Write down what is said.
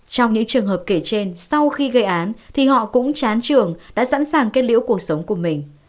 trong những trường hợp kể trên sau khi gây án thì họ cũng chán trường đã sẵn sàng kết liễu cuộc sống của mình